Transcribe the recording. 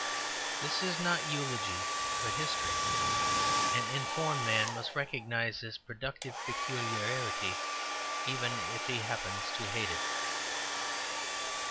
This is not eulogy but history; an informed man must recognize this productive peculiarity even if he happens to hate it.